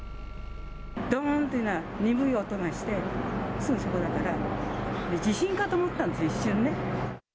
どーんっていうような、鈍い音がして、すぐそこだから、地震かと思ったんですよ、一瞬ね。